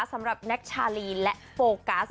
สำหรับแน็กชาลีและโฟกัส